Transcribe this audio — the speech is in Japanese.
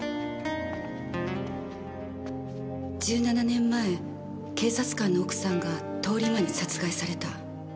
１７年前警察官の奥さんが通り魔に殺害された。